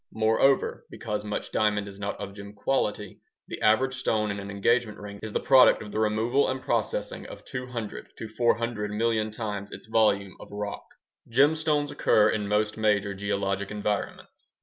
Moreover, because much diamond is not of gem quality, the average stone in an engagement ring is the product of the removal and processing of 200 to 400 million times its volume of rock. Gemstones occur in most major geologic environments.